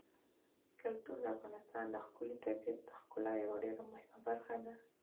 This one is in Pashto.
کلتور د افغانستان د ښکلي طبیعت د ښکلا یوه ډېره مهمه برخه ده.